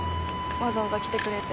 わざわざ来てくれて。